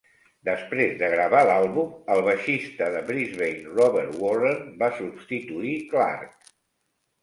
Després de gravar l'àlbum, el baixista de Brisbane Robert Warren va substituir Clark.